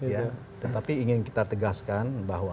ya tetapi ingin kita tegaskan bahwa